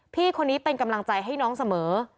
พี่คนนี้เป็นกำลังใจให้น้องเสมอ